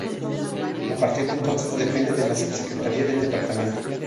A partir de entonces depende de la Subsecretaría del Departamento.